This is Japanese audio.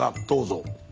どうぞ。